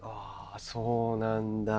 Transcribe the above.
そうなんだあ。